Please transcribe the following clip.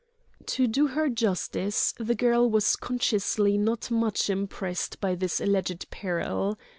To do her justice, the girl was consciously not much impressed by this alleged peril.